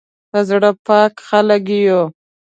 په زړه پاک خلک یو